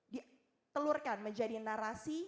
ditelurkan menjadi narasi